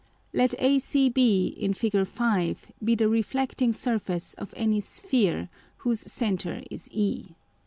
Let ACB [in Fig. 5.] be the reflecting Surface of any Sphere whose Centre is E.